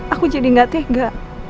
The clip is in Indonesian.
aku jadi gak tega